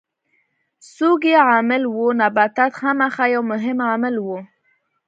څوک یې عامل وو؟ نباتات خامخا یو مهم عامل و.